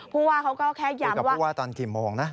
ภูว่าเขาก็แค่ย้ำว่าอยู่กับภูว่าตอนกี่โมงนะ